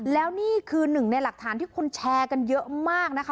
แล้วนี่คือหนึ่งในหลักฐานที่คนแชร์กันเยอะมากนะคะ